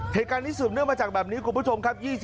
เหตุการณ์นี้สืบเนื่องมาจากแบบนี้คุณผู้ชมครับ